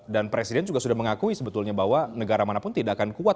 dan presiden juga sudah mengakui sebetulnya bahwa negara manapun tidak akan kuat